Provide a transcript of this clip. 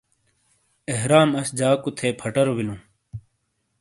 احرام اَش جاکُو تھے پھَٹَرو بِیلوں۔